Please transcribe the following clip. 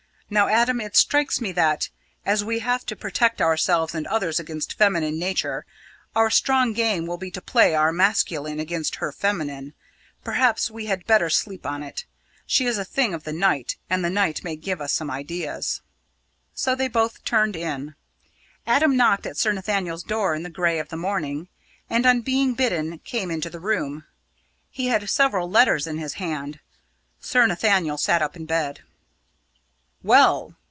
Now, Adam, it strikes me that, as we have to protect ourselves and others against feminine nature, our strong game will be to play our masculine against her feminine. Perhaps we had better sleep on it. She is a thing of the night; and the night may give us some ideas." So they both turned in. Adam knocked at Sir Nathaniel's door in the grey of the morning, and, on being bidden, came into the room. He had several letters in his hand. Sir Nathaniel sat up in bed. "Well!"